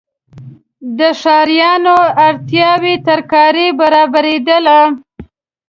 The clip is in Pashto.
د ښاریانو اړتیاوړ ترکاري برابریدله.